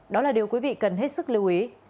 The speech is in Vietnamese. đó là điều quý vị cần hết sức lưu ý